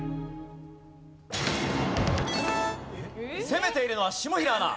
攻めているのは下平アナ。